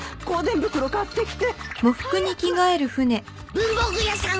文房具屋さん